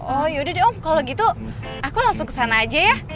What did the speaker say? oh yaudah deh om kalau gitu aku langsung ke sana aja ya